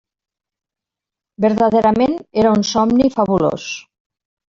Verdaderament era un somni fabulós.